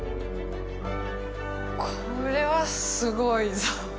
これはすごいぞ。